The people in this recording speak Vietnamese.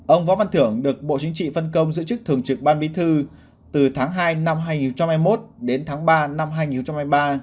ông võ văn thưởng được bộ chính trị phân công giữ chức thường trực ban bí thư từ tháng hai năm hai nghìn hai mươi một đến tháng ba năm hai nghìn hai mươi ba